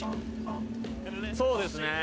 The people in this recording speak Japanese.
そうですね。